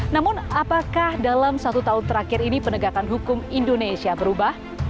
namun apakah dalam satu tahun terakhir ini penegakan hukum indonesia berubah